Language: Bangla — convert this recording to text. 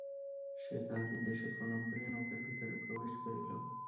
সে তাঁহার উদ্দেশে প্রণাম করিয়া নৌকার ভিতরে প্রবেশ করিল।